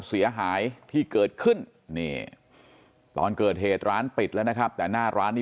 เสียหายที่เกิดขึ้นนี่ตอนเกิดเหตุร้านปิดแล้วนะครับแต่หน้าร้านนี้